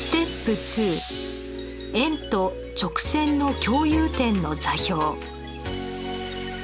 円と直線の共有点の座標。